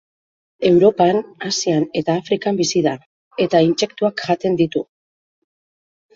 Europan, Asian eta Afrikan bizi da, eta intsektuak jaten ditu.